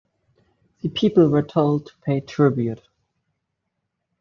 The people were told to pay tribute.